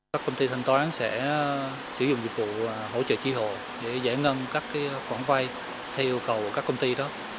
các công ty thanh toán sẽ sử dụng dịch vụ hỗ trợ tri hộ để giải ngân các khoản vay theo yêu cầu của các công ty đó